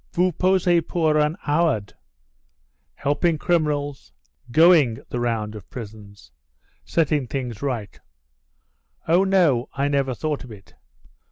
"Vous posez pour un Howard. Helping criminals, going the round of prisons, setting things right." "Oh, no. I never thought of it."